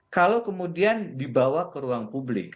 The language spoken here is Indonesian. kalau kemudian dibawa ke ruang publik